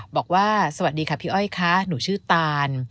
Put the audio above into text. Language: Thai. บอกว่าสวัสดีค่ะพี่อ้อยค่ะหนูชื่อตาน